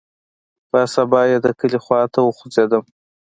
پر سبا يې د کلي خوا ته وخوځېدم.